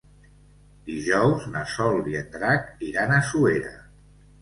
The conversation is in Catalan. Dijous na Sol i en Drac iran a Suera.